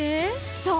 そう！